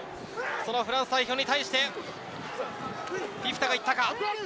そのフランス代表に対して、フィフィタが行ったか。